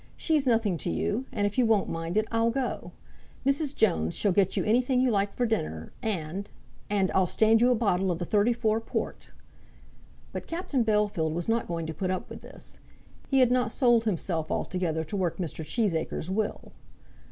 "She's nothing to you, and if you won't mind it, I'll go. Mrs. Jones shall get you anything you like for dinner, and, and I'll stand you a bottle of the '34 port!" But Captain Bellfield was not going to put up with this. He had not sold himself altogether to work Mr. Cheesacre's will.